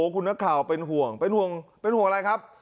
คุณนักข่าวเป็นห่วงเป็นห่วงเป็นห่วงอะไรครับ